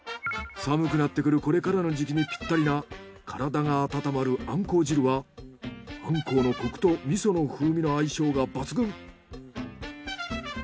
寒くなってくるこれからの時期にピッタリな体が温まるあんこう汁はあんこうのコクと味噌の風味の相性が抜群。